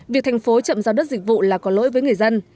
việc thành phố chậm giao đất dịch vụ là có lỗi với người dân